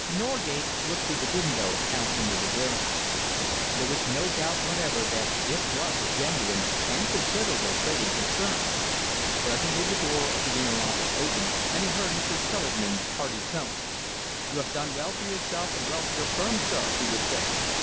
Norgate looked through the windows out into the warehouse. There was no doubt whatever that this was a genuine and considerable trading concern. Presently the door of the inner office opened, and he heard Mr. Selingman's hearty tones. "You have done well for yourself and well for your firm, sir," he was saying.